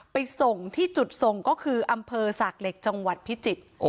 ไปส่งที่จุดส่งก็คืออำเภอสากเหล็กจังหวัดพิจิตร